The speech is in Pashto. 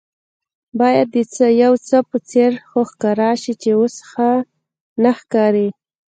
باید د یوڅه په څېر خو ښکاره شي چې اوس ښه نه ښکاري.